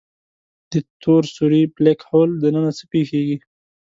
د تور سوری Black Hole دننه څه پېښېږي؟